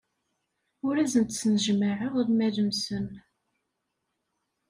Ur asen-d-snejmaɛeɣ lmal-nsen.